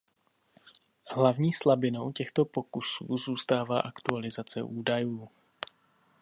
Hlavní slabinou těchto pokusů zůstává aktualizace údajů.